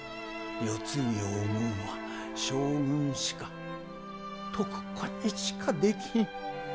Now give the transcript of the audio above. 世継ぎを生むんは将軍しか徳子にしかできひん。